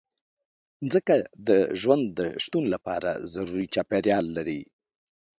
مځکه د ژوند د شتون لپاره ضروري چاپېریال لري.